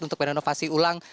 untuk penernovasi ulang